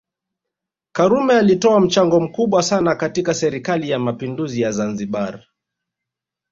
karume alitoa mchango mkubwa sana katika serikali ya mapinduzi ya Zanzibar